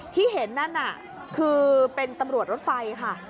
ที่เห็นนั่นน่ะคือเป็นตำรวจรถไฟค่ะ